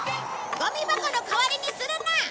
ゴミ箱の代わりにするな！